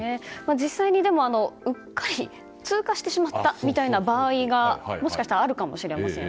実際に、うっかり通過してしまったみたいな場合がもしかしたらあるかもしれません。